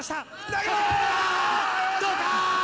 どうか？